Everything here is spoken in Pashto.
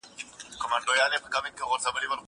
زه به تکړښت کړی وي!